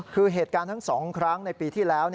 คือเหตุการณ์ทั้ง๒ครั้งในปีที่แล้ว